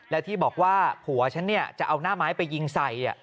และที่บอกว่าผัวฉันจะเอาหน้าไม้ไปยิงใส่